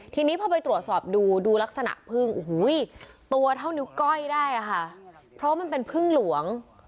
ทีนี้พอไปตรวจสอบดูดูลักษณะพึ่งโอ้โหตัวเท่านิ้วก้อยได้ค่ะเพราะมันเป็นพึ่งหลวง